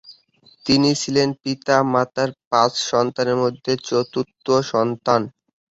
তিনি ছিলেন পিতামাতার পাঁচ সন্তানের মধ্যে চতুর্থ।